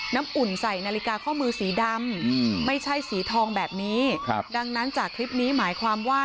อุ่นใส่นาฬิกาข้อมือสีดำไม่ใช่สีทองแบบนี้ครับดังนั้นจากคลิปนี้หมายความว่า